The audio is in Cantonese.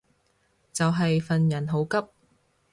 就係份人好急